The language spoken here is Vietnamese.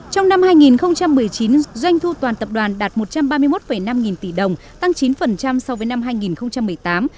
trong năm hai nghìn một mươi chín doanh thu toàn tập đoàn đạt một trăm ba mươi một năm nghìn tỷ đồng tăng chín so với năm hai nghìn một mươi tám